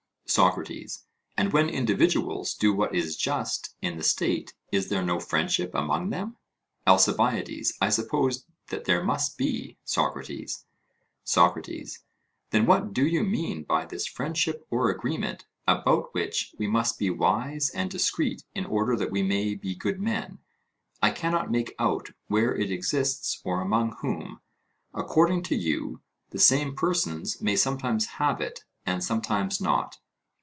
SOCRATES: And when individuals do what is just in the state, is there no friendship among them? ALCIBIADES: I suppose that there must be, Socrates. SOCRATES: Then what do you mean by this friendship or agreement about which we must be wise and discreet in order that we may be good men? I cannot make out where it exists or among whom; according to you, the same persons may sometimes have it, and sometimes not.